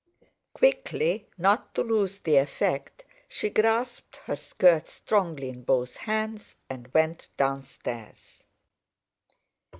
Quickly, not to lose the effect, she grasped her skirts strongly in both hands, and went downstairs.